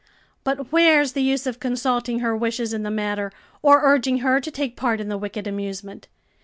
"But where's the use of consulting her wishes in the matter, or urging her to take part in the wicked amusement?